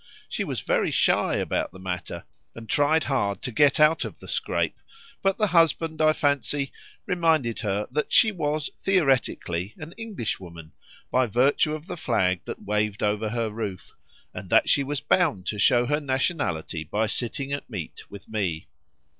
She was very shy about the matter, and tried hard to get out of the scrape, but the husband, I fancy, reminded her that she was theoretically an Englishwoman, by virtue of the flag that waved over her roof, and that she was bound to show her nationality by sitting at meat with me.